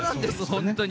本当に。